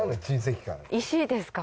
石ですか？